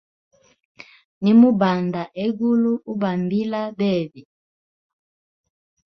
Nimubanda egulu, ubambila bebe.